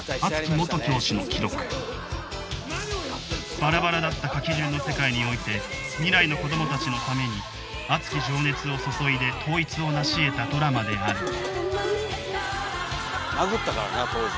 バラバラだった書き順の世界において未来の子どもたちのために熱き情熱を注いで統一をなしえたドラマである殴ったからな当時。